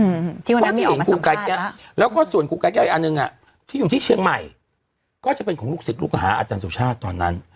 อ้มที่วันนั้นมีออกมาสำคัญแล้วแล้วก็ส่วนคุณแก๊แก๊ออาจารย์หนึ่งที่อยู่ที่เชียงใหม่